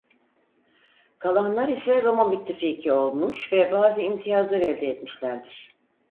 Kalanlar ise Roma müttefiki olmuş ve bazı imtiyazlar elde etmişlerdir.